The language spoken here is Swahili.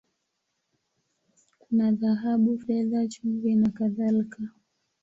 Kuna dhahabu, fedha, chumvi, na kadhalika.